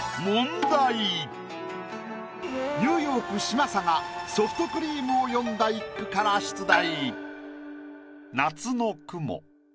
「ニューヨーク」嶋佐が「ソフトクリーム」を詠んだ一句から出題。